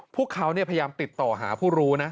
พวกเขาพยายามติดต่อหาผู้รู้นะ